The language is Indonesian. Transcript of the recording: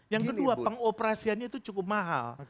yang kedua pengoperasiannya itu cukup mahal